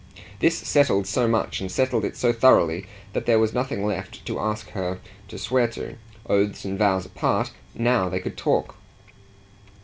This settled so much, and settled it so thoroughly, that there was nothing left to ask her to swear to. Oaths and vows apart, now they could talk.